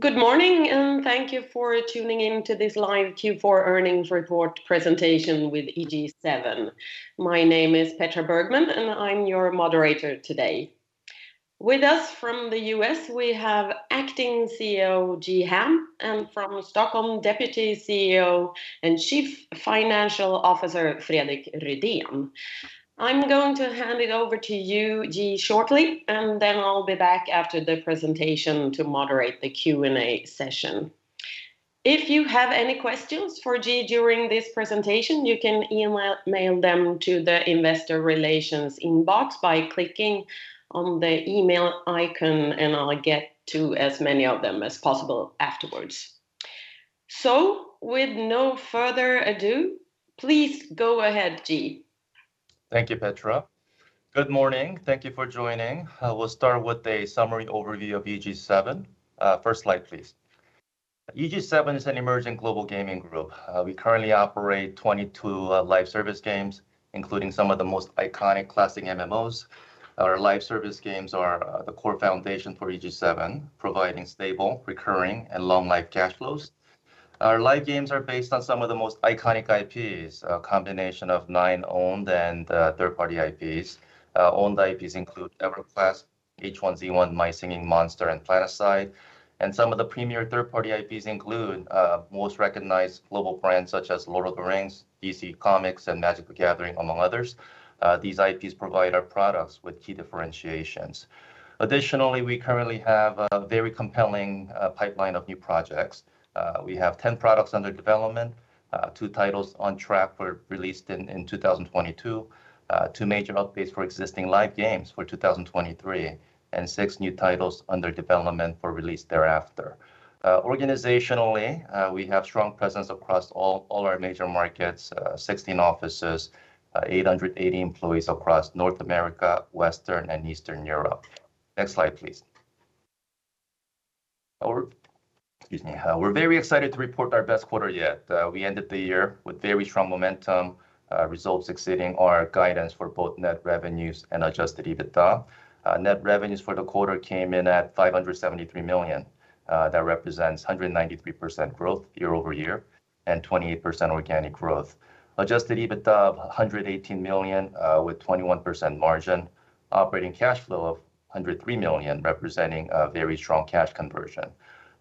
Good morning, and thank you for tuning in to this live Q4 earnings report presentation with EG7. My name is Petra Bergman, and I'm your moderator today. With us from the U.S., we have Acting CEO Ji Ham, and from Stockholm, Deputy CEO and Chief Financial Officer Fredrik Rüdén. I'm going to hand it over to you, Ji, shortly, and then I'll be back after the presentation to moderate the Q&A session. If you have any questions for Ji during this presentation, you can e-mail or mail them to the investor relations inbox by clicking on the e-mail icon, and I'll get to as many of them as possible afterwards. With no further ado, please go ahead, Ji. Thank you, Petra. Good morning. Thank you for joining. We'll start with a summary overview of EG7. First slide, please. EG7 is an emerging global gaming group. We currently operate 22 live service games, including some of the most iconic classic MMOs. Our live service games are the core foundation for EG7, providing stable, recurring, and long life cash flows. Our live games are based on some of the most iconic IPs, a combination of nine owned and third-party IPs. Owned IPs include EverQuest, H1Z1, My Singing Monsters, and PlanetSide. Some of the premier third-party IPs include most recognized global brands such as Lord of the Rings, DC Comics, and Magic: The Gathering Online, among others. These IPs provide our products with key differentiations. Additionally, we currently have a very compelling pipeline of new projects. We have 10 products under development, two titles on track for release in 2022, two major updates for existing live games for 2023, and six new titles under development for release thereafter. Organizationally, we have strong presence across all our major markets, 16 offices, 880 employees across North America, Western and Eastern Europe. Next slide, please. Or excuse me. We're very excited to report our best quarter yet. We ended the year with very strong momentum, results exceeding our guidance for both net revenues and adjusted EBITDA. Net revenues for the quarter came in at 573 million. That represents 193% growth year-over-year and 28% organic growth. Adjusted EBITDA of 118 million with 21% margin, operating cash flow of 103 million, representing a very strong cash conversion.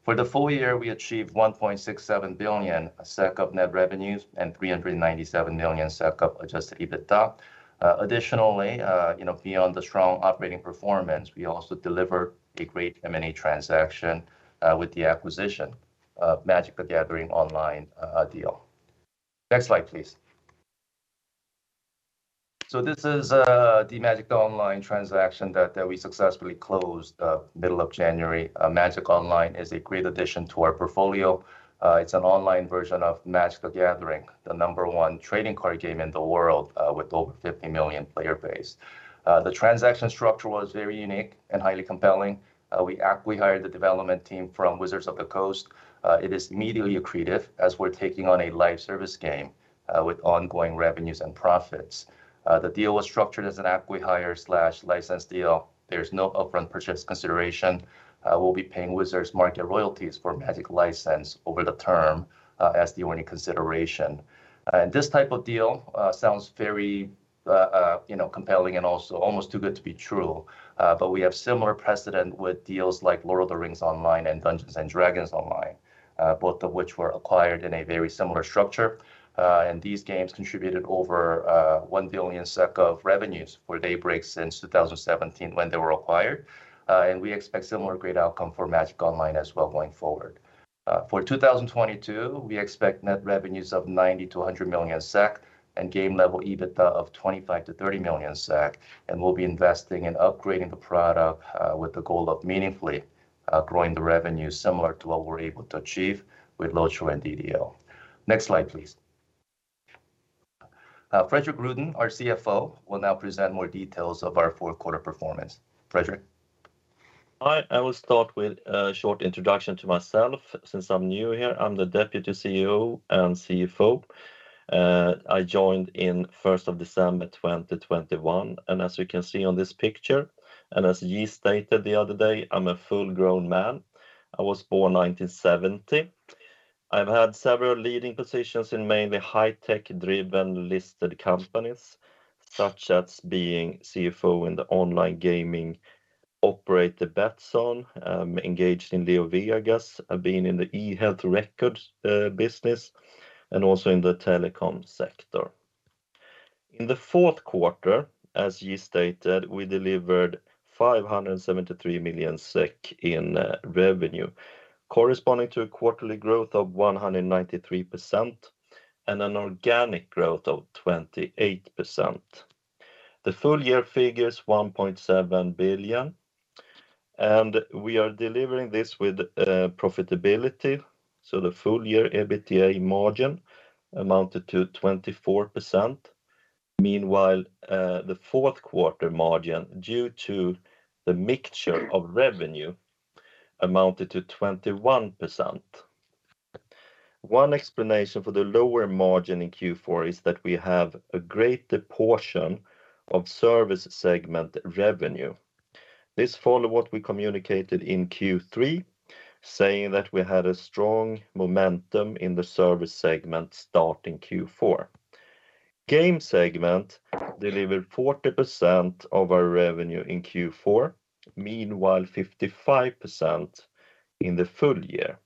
For the full year, we achieved 1.67 billion SEK of net revenues and 397 million SEK adjusted EBITDA. Additionally, you know, beyond the strong operating performance, we also delivered a great M&A transaction with the acquisition of Magic: The Gathering Online deal. Next slide, please. This is the Magic: The Gathering Online transaction that we successfully closed middle of January. Magic Online is a great addition to our portfolio. It's an online version of Magic: The Gathering Online, the number one trading card game in the world, with over 50 million player base. The transaction structure was very unique and highly compelling. We hired the development team from Wizards of the Coast. It is immediately accretive as we're taking on a live service game with ongoing revenues and profits. The deal was structured as an acqui-hire/license deal. There's no upfront purchase consideration. We'll be paying Wizards market royalties for Magic license over the term as the only consideration. This type of deal sounds very, you know, compelling and also almost too good to be true. We have similar precedent with deals like Lord of the Rings Online and Dungeons & Dragons Online, both of which were acquired in a very similar structure. These games contributed over 1 billion of revenues for Daybreak since 2017 when they were acquired. We expect similar great outcome for Magic: The Gathering Online as well going forward. For 2022, we expect net revenues of 90 million-100 million SEK and game level EBITDA of 25 million-30 million SEK, and we'll be investing in upgrading the product with the goal of meaningfully growing the revenue similar to what we're able to achieve with LOTRO and DDO. Next slide, please. Fredrik Rüdén, our CFO, will now present more details of our fourth quarter performance. Fredrik. I will start with a short introduction to myself since I'm new here. I'm the Deputy CEO and CFO. I joined in first of December 2021. As you can see on this picture, and as Ji stated the other day, I'm a full-grown man. I was born 1970. I've had several leading positions in mainly high tech-driven listed companies, such as being CFO in the online gaming operator Betsson, engaged in LeoVegas, been in the e-health records business, and also in the telecom sector. In the fourth quarter, as Ji stated, we delivered 573 million SEK in revenue, corresponding to a quarterly growth of 193% and an organic growth of 28%. The full year figure is 1.7 billion, and we are delivering this with profitability. The full-year EBITDA margin amounted to 24%. Meanwhile, the fourth quarter margin, due to the mixture of revenue, amounted to 21%. One explanation for the lower margin in Q4 is that we have a greater portion of Service revenue. This follows what we communicated in Q3 saying that we had a strong momentum in the Service segment starting Q4. Game segment delivered 40% of our revenue in Q4, meanwhile 55% in the full year.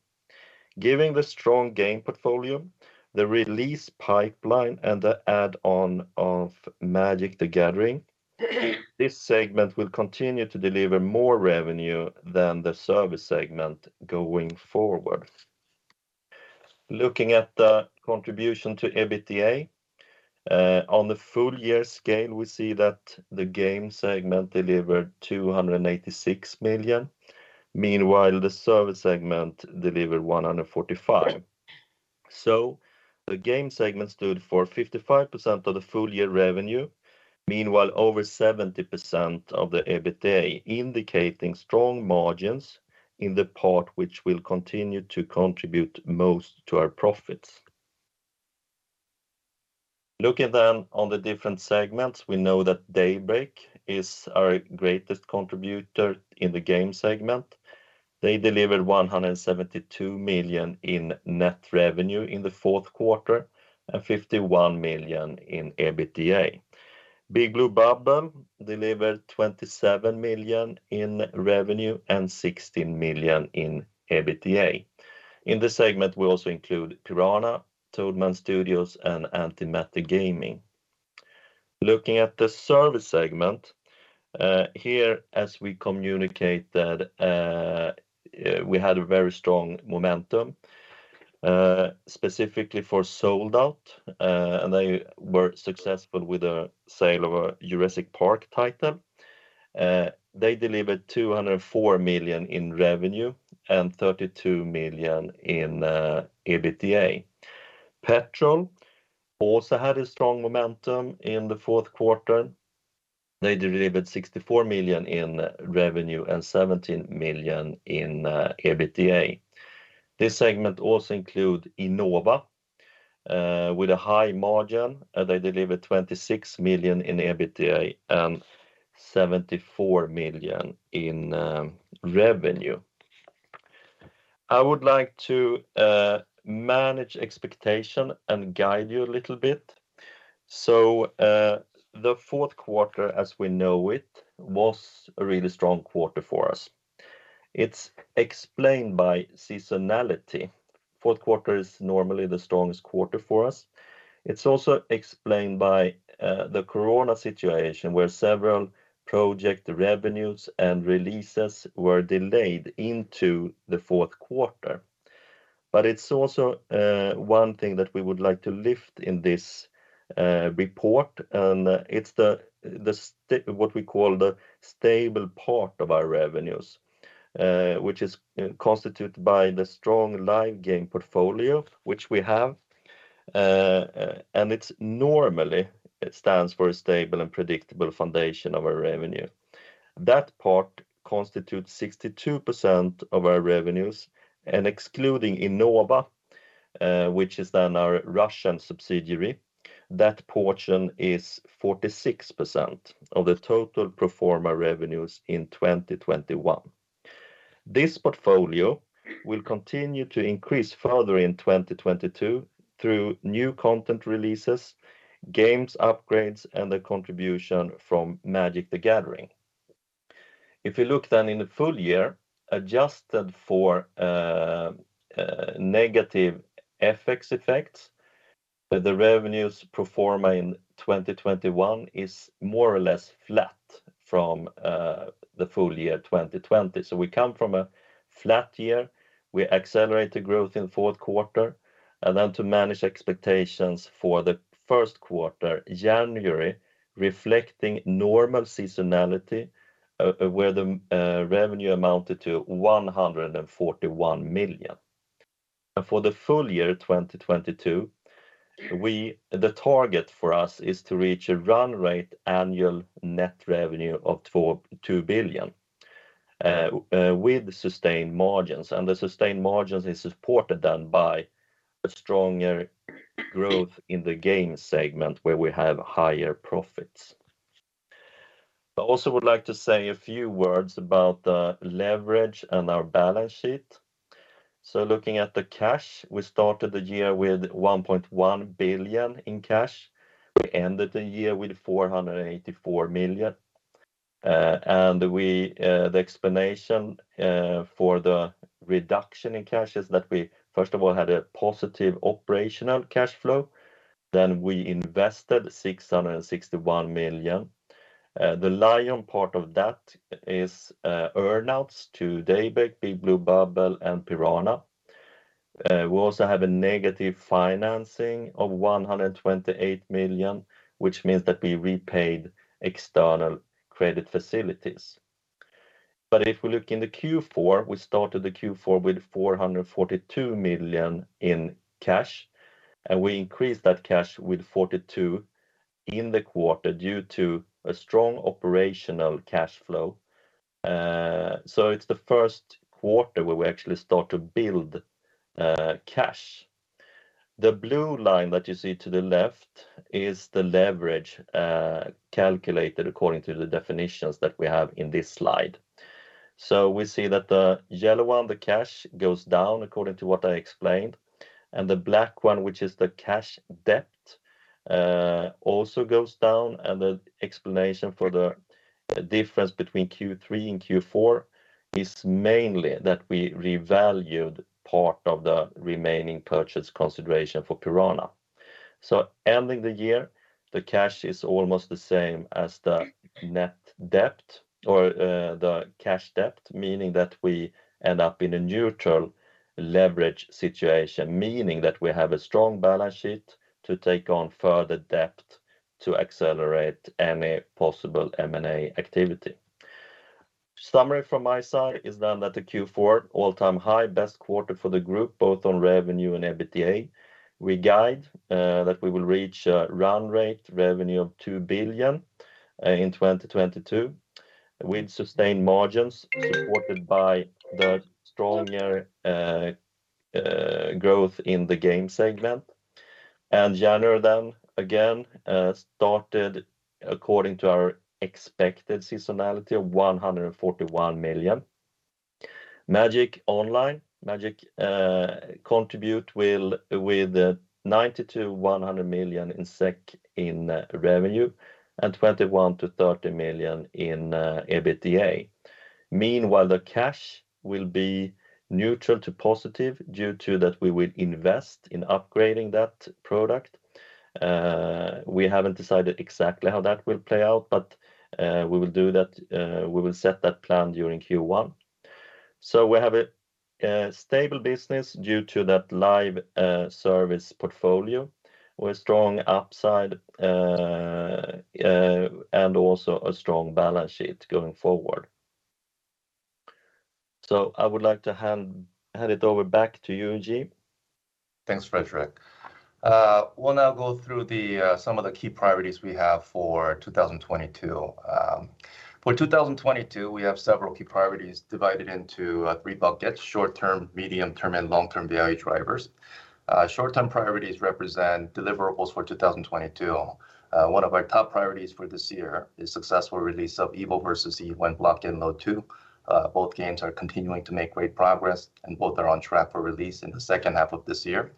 Given the strong game portfolio, the release pipeline and the add-on of Magic: The Gathering Online, this segment will continue to deliver more revenue than the Service segment going forward. Looking at the contribution to EBITDA, on the full-year scale, we see that the Game segment delivered 286 million, meanwhile the Service segment delivered 145 million. The Game segment stood for 55% of the full-year revenue, meanwhile over 70% of the EBITDA indicating strong margins in the part which will continue to contribute most to our profits. Looking on the different segments, we know that Daybreak is our greatest contributor in the Game segment. They delivered 172 million in net revenue in the fourth quarter and 51 million in EBITDA. Big Blue Bubble delivered 27 million in revenue and 16 million in EBITDA. In this segment, we also include Piranha Games, Toadman Studios and Antimatter Games. Looking at the Service segment, here as we communicate that we had a very strong momentum, specifically for Sold Out, and they were successful with the sale of a Jurassic Park title. They delivered 204 million in revenue and 32 million in EBITDA. Petrol also had a strong momentum in the fourth quarter. They delivered 64 million in revenue and 17 million in EBITDA. This segment also include Innova, with a high margin, they delivered 26 million in EBITDA and 74 million in revenue. I would like to manage expectation and guide you a little bit. The fourth quarter, as we know it, was a really strong quarter for us. It's explained by seasonality. Fourth quarter is normally the strongest quarter for us. It's also explained by the Corona situation, where several project revenues and releases were delayed into the fourth quarter. It's also one thing that we would like to lift in this report, and it's the what we call the stable part of our revenues, which is constituted by the strong live game portfolio which we have. It normally stands for a stable and predictable foundation of our revenue. That part constitutes 62% of our revenues and excluding Innova, which is then our Russian subsidiary, that portion is 46% of the total pro forma revenues in 2021. This portfolio will continue to increase further in 2022 through new content releases, games upgrades and the contribution from Magic: The Gathering Online. If you look then in the full year, adjusted for negative FX effects, the revenues pro forma in 2021 is more or less flat from the full year 2020. We come from a flat year. We accelerate the growth in fourth quarter and then to manage expectations for the first quarter, January, reflecting normal seasonality, where the revenue amounted to 141 million. For the full year 2022, the target for us is to reach a run rate annual net revenue of 2.2 billion with sustained margins. The sustained margins is supported then by a stronger growth in the Games segment where we have higher profits. I also would like to say a few words about the leverage and our balance sheet. Looking at the cash, we started the year with 1.1 billion in cash. We ended the year with 484 million. The explanation for the reduction in cash is that we, first of all, had a positive operational cash flow, then we invested 661 million. The lion's share of that is earn outs to Daybreak, Big Blue Bubble and Piranha. We also have a negative financing of 128 million, which means that we repaid external credit facilities. If we look in the Q4, we started the Q4 with 442 million in cash, and we increased that cash with 42 million in the quarter due to a strong operational cash flow. It's the first quarter where we actually start to build cash. The blue line that you see to the left is the leverage calculated according to the definitions that we have in this slide. We see that the yellow one, the cash goes down according to what I explained, and the black one, which is the cash debt, also goes down, and the explanation for the difference between Q3 and Q4 is mainly that we revalued part of the remaining purchase consideration for Piranha. Ending the year, the cash is almost the same as the net debt or the cash debt, meaning that we end up in a neutral leverage situation, meaning that we have a strong balance sheet to take on further debt to accelerate any possible M&A activity. Summary from my side is then that the Q4 all-time high best quarter for the group, both on revenue and EBITDA. We guide that we will reach a run rate revenue of 2 billion in 2022 with sustained margins supported by the stronger growth in the Game segment. January then again started according to our expected seasonality of 141 million. Magic Online will contribute with 90 million-100 million in revenue and 21 million-30 million in EBITDA. Meanwhile, the cash will be neutral to positive due to that we will invest in upgrading that product. We haven't decided exactly how that will play out, but we will do that. We will set that plan during Q1. We have a stable business due to that live service portfolio with strong upside and also a strong balance sheet going forward. I would like to hand it over back to you, Ji. Thanks, Fredrik. We'll now go through some of the key priorities we have for 2022. For 2022, we have several key priorities divided into three buckets, short-term, medium-term, and long-term value drivers. Short-term priorities represent deliverables for 2022. One of our top priorities for this year is successful release of EvilVEvil, Block N Load 2. Both games are continuing to make great progress, and both are on track for release in the second half of this year.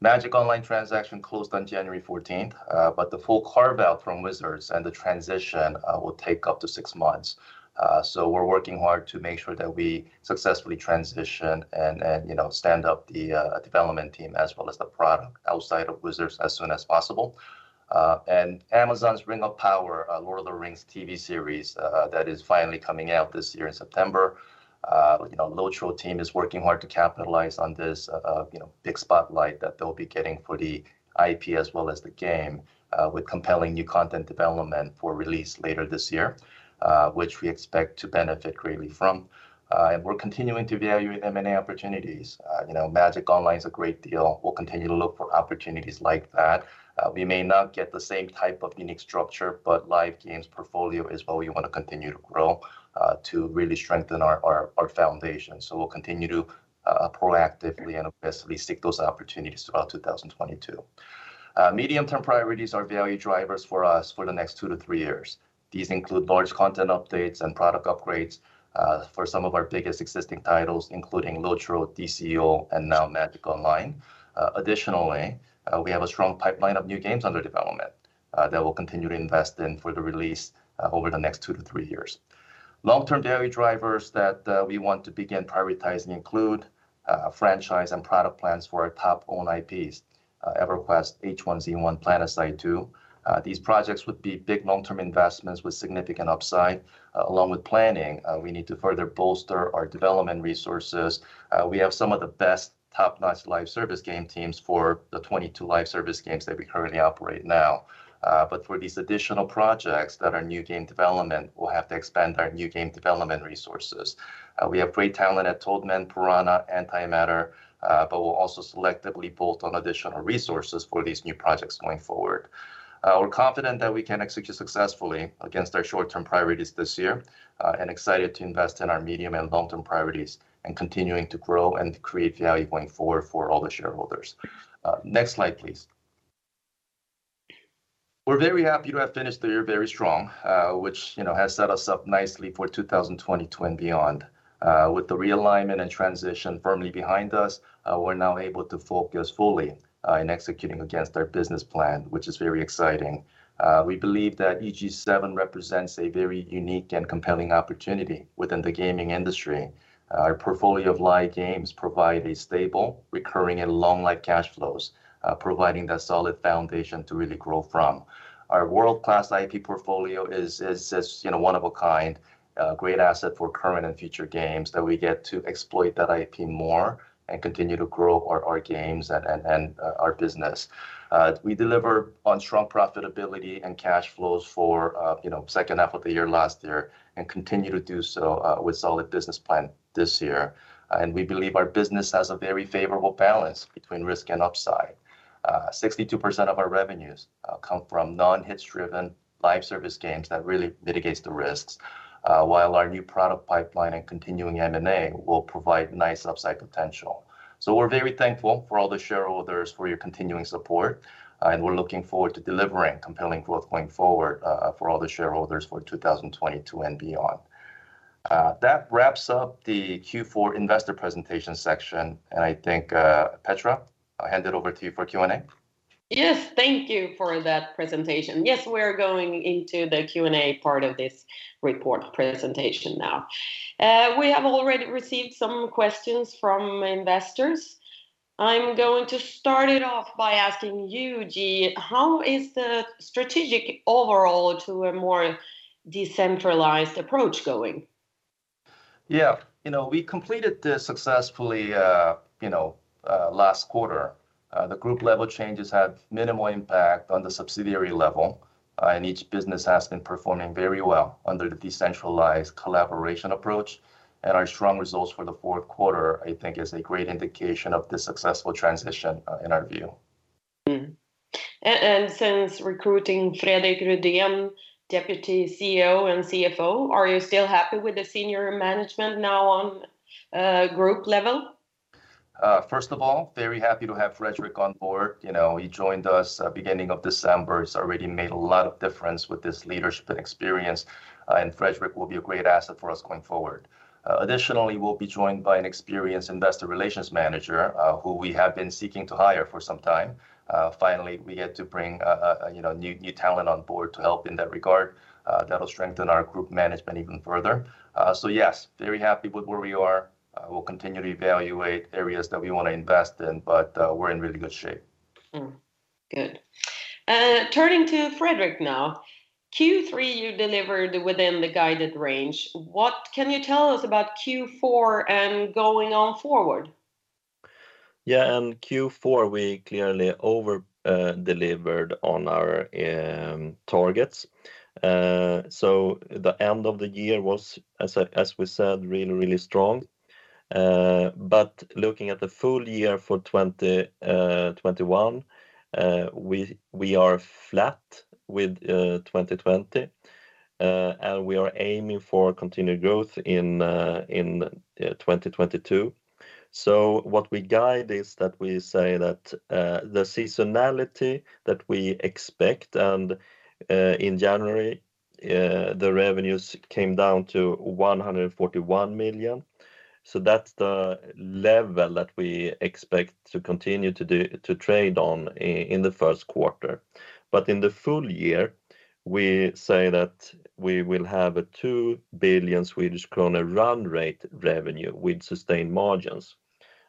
Magic Online transaction closed on January 14th, but the full carve-out from Wizards and the transition will take up to six months. We're working hard to make sure that we successfully transition and you know stand up the development team as well as the product outside of Wizards as soon as possible. Amazon's Rings of Power: Lord of Rings TV series that is finally coming out this year in September. You know, LOTRO team is working hard to capitalize on this you know big spotlight that they'll be getting for the IP as well as the game with compelling new content development for release later this year which we expect to benefit greatly from. We're continuing to evaluate M&A opportunities. You know, Magic Online is a great deal. We'll continue to look for opportunities like that. We may not get the same type of unique structure, but live games portfolio is where we wanna continue to grow to really strengthen our foundation. We'll continue to proactively and aggressively seek those opportunities throughout 2022. Medium-term priorities are value drivers for us for the next two to three years. These include large content updates and product upgrades for some of our biggest existing titles, including LOTRO, DCUO, and now Magic: The Gathering Online. Additionally, we have a strong pipeline of new games under development that we'll continue to invest in for the release over the next two to three years. Long-term value drivers that we want to begin prioritizing include franchise and product plans for our top-owned IPs, EverQuest, H1Z1, PlanetSide 2. These projects would be big long-term investments with significant upside. Along with planning, we need to further bolster our development resources. We have some of the best top-notch live service game teams for the 22 live service games that we currently operate now. For these additional projects that are new game development, we'll have to expand our new game development resources. We have great talent at Toadman, Piranha, Antimatter, but we'll also selectively bolt on additional resources for these new projects going forward. We're confident that we can execute successfully against our short-term priorities this year, and excited to invest in our medium and long-term priorities and continuing to grow and create value going forward for all the shareholders. Next slide, please. We're very happy to have finished the year very strong, which, you know, has set us up nicely for 2022 and beyond. With the realignment and transition firmly behind us, we're now able to focus fully in executing against our business plan, which is very exciting. We believe that EG7 represents a very unique and compelling opportunity within the gaming industry. Our portfolio of live games provide a stable, recurring, and long-life cash flows, providing that solid foundation to really grow from. Our world-class IP portfolio is, you know, one of a kind, great asset for current and future games that we get to exploit that IP more and continue to grow our games and our business. We deliver on strong profitability and cash flows for, you know, second half of the year last year and continue to do so with solid business plan this year. We believe our business has a very favorable balance between risk and upside. 62% of our revenues come from non-hits-driven live service games that really mitigates the risks, while our new product pipeline and continuing M&A will provide nice upside potential. We're very thankful for all the shareholders for your continuing support, and we're looking forward to delivering compelling growth going forward, for all the shareholders for 2022 and beyond. That wraps up the Q4 investor presentation section, and I think Petra. I hand it over to you for Q&A. Yes, thank you for that presentation. Yes, we're going into the Q&A part of this report presentation now. We have already received some questions from investors. I'm going to start it off by asking you, Ji, how is the strategic overall to a more decentralized approach going? Yeah, you know, we completed this successfully, you know, last quarter. The group level changes had minimal impact on the subsidiary level, and each business has been performing very well under the decentralized collaboration approach, and our strong results for the fourth quarter I think is a great indication of the successful transition, in our view. Since recruiting Fredrik Rüdén, Deputy CEO and CFO, are you still happy with the senior management now on group level? First of all, very happy to have Fredrik on board. You know, he joined us at beginning of December. He's already made a lot of difference with his leadership and experience, and Fredrik will be a great asset for us going forward. Additionally, we'll be joined by an experienced Investor Relations Manager, who we have been seeking to hire for some time. Finally, we get to bring a, you know, new talent on board to help in that regard, that'll strengthen our group management even further. So yes, very happy with where we are. We'll continue to evaluate areas that we wanna invest in, but, we're in really good shape. Turning to Fredrik now, Q3 you delivered within the guided range. What can you tell us about Q4 and going on forward? Yeah, in Q4 we clearly overdelivered on our targets. The end of the year was as we said, really strong. Looking at the full year for 2021, we are flat with 2020. We are aiming for continued growth in 2022. What we guide is that we say that the seasonality that we expect and in January the revenues came down to 141 million, so that's the level that we expect to continue to trade on in the first quarter. In the full year, we say that we will have a 2 billion Swedish krona run rate revenue with sustained margins,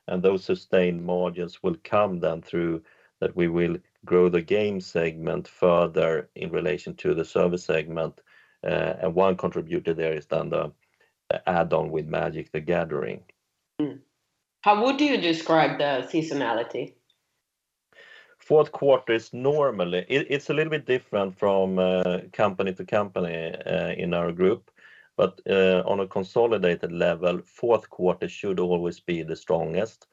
and those sustained margins will come down through that we will grow the Game segment further in relation to the Service segment. One contributor there is then the add-on with Magic: The Gathering Online. How would you describe the seasonality? Fourth quarter is normally. It's a little bit different from company to company in our group, but on a consolidated level, fourth quarter should always be the strongest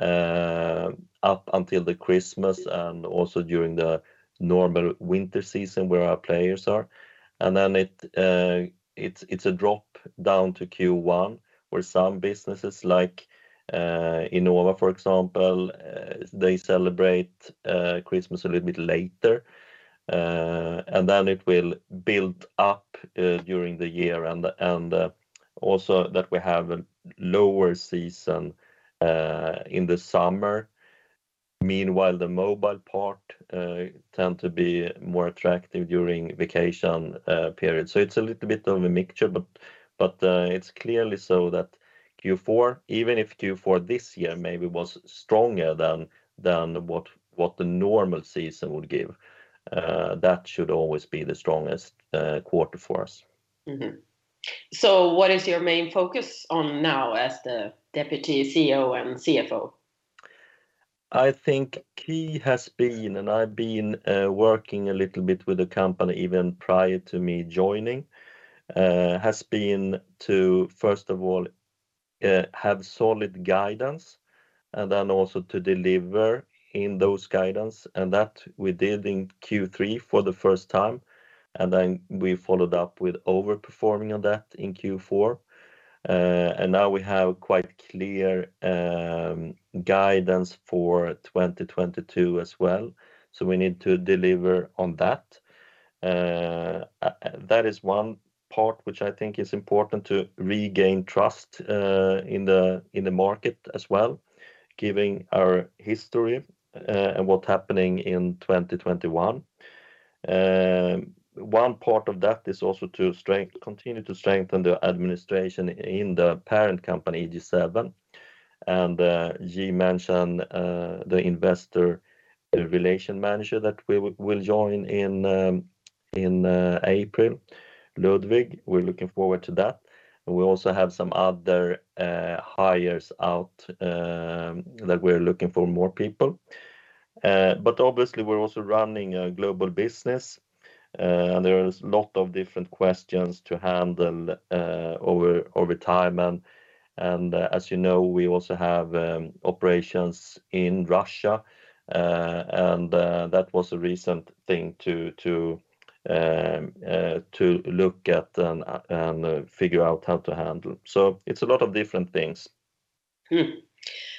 up until the Christmas and also during the normal winter season where our players are. Then it's a drop down to Q1 where some businesses like Innova, for example, they celebrate Christmas a little bit later. Then it will build up during the year and also that we have a lower season in the summer. Meanwhile, the mobile part tend to be more attractive during vacation period. It's a little bit of a mixture, but it's clearly so that Q4, even if Q4 this year maybe was stronger than what the normal season would give, that should always be the strongest quarter for us. What is your main focus on now as the Deputy CEO and CFO? I think key has been, and I've been working a little bit with the company even prior to me joining, has been to first of all have solid guidance and then also to deliver in those guidance, and that we did in Q3 for the first time, and then we followed up with over-performing of that in Q4. Now we have quite clear guidance for 2022 as well, so we need to deliver on that. That is one part which I think is important to regain trust in the market as well given our history and what happened in 2021. One part of that is also to continue to strengthen the administration in the parent company, EG7, and Ji mentioned the Investor Relations Manager that we will join in April, Ludwig. We're looking forward to that, and we also have some other hires out that we're looking for more people. Obviously we're also running a global business, and there's lot of different questions to handle over time, and as you know, we also have operations in Russia, and that was a recent thing to look at and figure out how to handle. It's a lot of different things.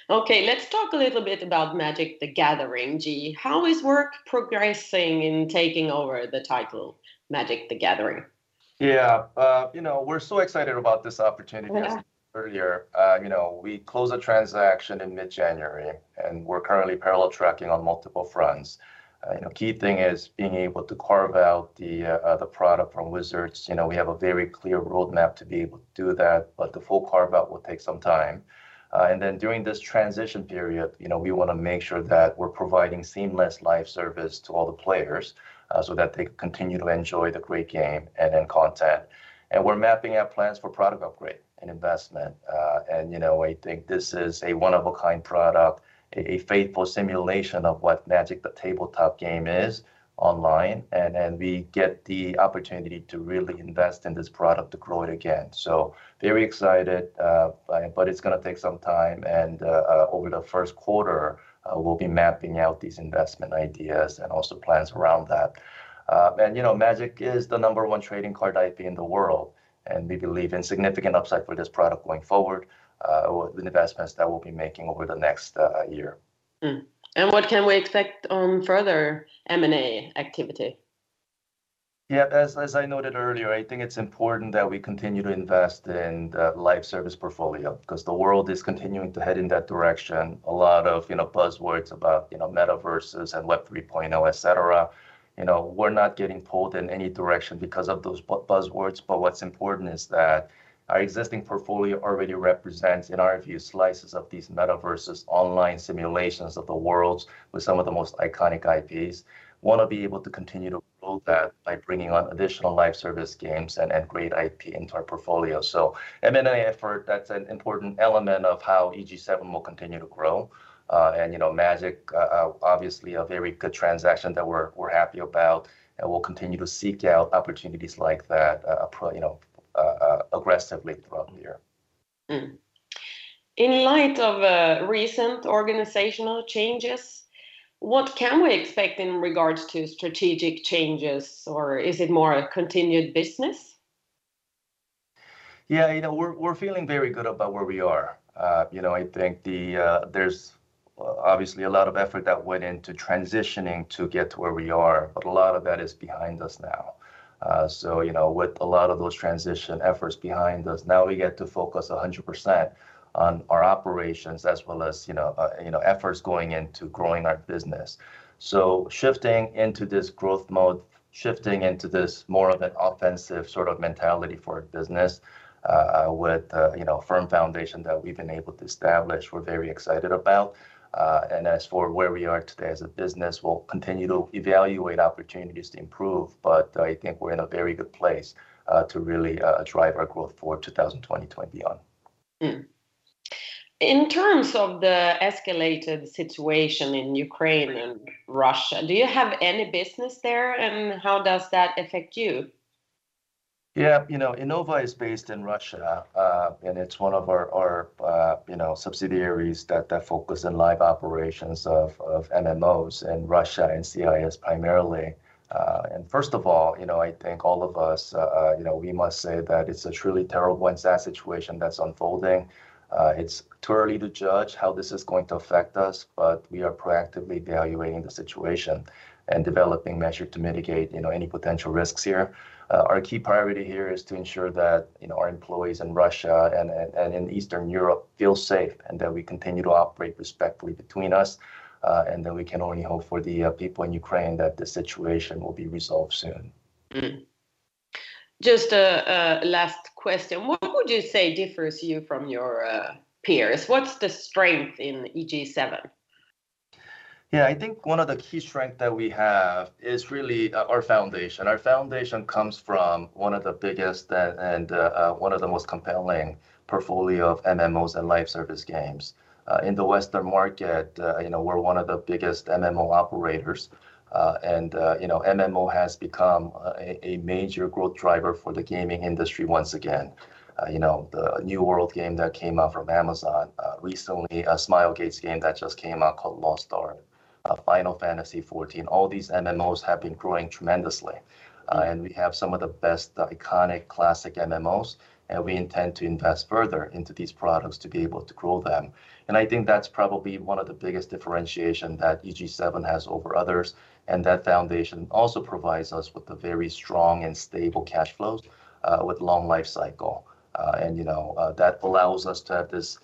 Okay, let's talk a little bit about Magic: The Gathering Online, Ji. How is work progressing in taking over the title Magic: The Gathering Online? Yeah. You know, we're so excited about this opportunity. Yeah Earlier, you know, we closed the transaction in mid-January, and we're currently parallel tracking on multiple fronts. You know, key thing is being able to carve out the product from Wizards. You know, we have a very clear roadmap to be able to do that, but the full carve-out will take some time. During this transition period, you know, we wanna make sure that we're providing seamless live service to all the players, so that they continue to enjoy the great game and then content. We're mapping out plans for product upgrade and investment. You know, I think this is a one-of-a-kind product, a faithful simulation of what Magic, the tabletop game is online, and then we get the opportunity to really invest in this product to grow it again. Very excited, but it's gonna take some time, and over the first quarter, we'll be mapping out these investment ideas and also plans around that. You know, Magic is the number one trading card IP in the world, and we believe in significant upside for this product going forward, with the investments that we'll be making over the next year. What can we expect on further M&A activity? Yeah, as I noted earlier, I think it's important that we continue to invest in the live service portfolio, 'cause the world is continuing to head in that direction. A lot of, you know, buzzwords about, you know, metaverses and Web 3.0, et cetera. You know, we're not getting pulled in any direction because of those buzzwords, but what's important is that our existing portfolio already represents, in our view, slices of these metaverses, online simulations of the worlds with some of the most iconic IPs. Wanna be able to continue to build that by bringing on additional live service games and add great IP into our portfolio. M&A effort, that's an important element of how EG7 will continue to grow. You know, Magic, obviously a very good transaction that we're happy about, and we'll continue to seek out opportunities like that, you know, aggressively throughout the year. In light of recent organizational changes, what can we expect in regards to strategic changes, or is it more a continued business? Yeah. You know, we're feeling very good about where we are. You know, I think there's obviously a lot of effort that went into transitioning to get to where we are, but a lot of that is behind us now. You know, with a lot of those transition efforts behind us, now we get to focus 100% on our operations as well as, you know, efforts going into growing our business. Shifting into this growth mode, shifting into this more of an offensive sort of mentality for business, with a firm foundation that we've been able to establish, we're very excited about. As for where we are today as a business, we'll continue to evaluate opportunities to improve, but I think we're in a very good place to really drive our growth for 2020 and beyond. In terms of the escalated situation in Ukraine and Russia, do you have any business there, and how does that affect you? Yeah. You know, Innova is based in Russia, and it's one of our subsidiaries that focus in live operations of MMOs in Russia and CIS primarily. First of all, you know, I think all of us we must say that it's a truly terrible and sad situation that's unfolding. It's too early to judge how this is going to affect us, but we are proactively evaluating the situation and developing measure to mitigate any potential risks here. Our key priority here is to ensure that our employees in Russia and in Eastern Europe feel safe, and that we continue to operate respectfully between us, and that we can only hope for the people in Ukraine that the situation will be resolved soon. Just a last question. What would you say differs you from your peers? What's the strength in EG7? I think one of the key strength that we have is really our foundation. Our foundation comes from one of the biggest and one of the most compelling portfolio of MMOs and live service games. In the Western market, you know, we're one of the biggest MMO operators. You know, MMO has become a major growth driver for the gaming industry once again. You know, the New World game that came out from Amazon recently, a Smilegate's game that just came out called Lost Ark, Final Fantasy XIV, all these MMOs have been growing tremendously. We have some of the best iconic classic MMOs, and we intend to invest further into these products to be able to grow them, and I think that's probably one of the biggest differentiation that EG7 has over others. That foundation also provides us with a very strong and stable cash flows with long life cycle. You know, that allows us to have this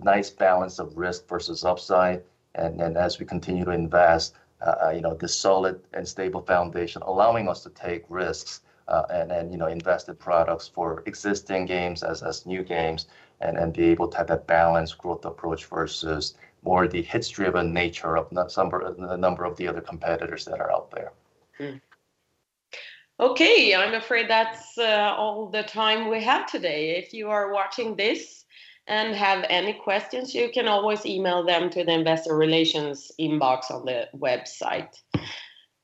nice balance of risk versus upside, and then as we continue to invest, you know, this solid and stable foundation allowing us to take risks and you know, invest in products for existing games as new games and be able to have that balanced growth approach versus more the hits-driven nature of some, a number of the other competitors that are out there. Okay, I'm afraid that's all the time we have today. If you are watching this and have any questions, you can always email them to the investor relations inbox on the website.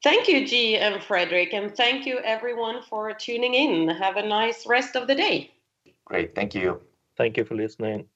Thank you, Ji and Fredrik, and thank you everyone for tuning in. Have a nice rest of the day. Great. Thank you. Thank you for listening.